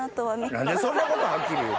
何でそんなことはっきり言うの。